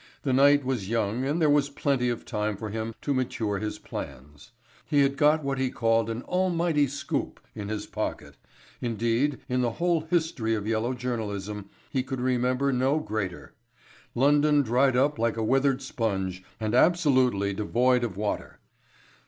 The night was young and there was plenty of time for him to mature his plans. He had got what he called an "almighty scoop" in his pocket, indeed in the whole history of yellow journalism he could remember no greater. London dried up like a withered sponge and absolutely devoid of water!